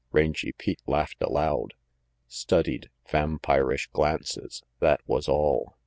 Rangy Pete laughed aloud. Studied, vampirish glances, that was all.